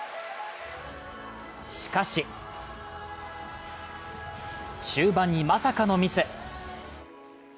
しかし終盤にまさかのミス。